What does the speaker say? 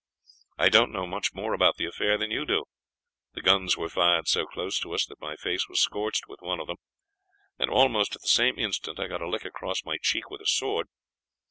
I don't know much more about the affair than you do. The guns were fired so close to us that my face was scorched with one of them, and almost at the same instant I got a lick across my cheek with a sword.